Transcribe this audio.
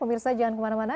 pemirsa jangan kemana mana